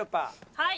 はい。